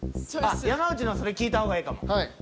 山内のそれ聞いた方がええかも。